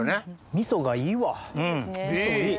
みそがいいわみそいい。